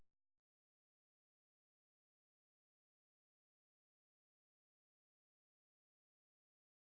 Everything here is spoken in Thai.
โปรดติดตามต่อไป